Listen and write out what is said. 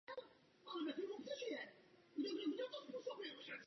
Je to odpověď na měnící se potřeby Evropské unie.